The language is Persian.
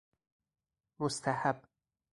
مستحب